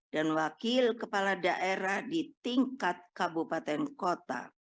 dan wakil kepala daerah di tingkat kabupaten kota